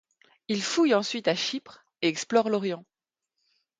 Il fouille ensuite à Chypre et explore l'Orient.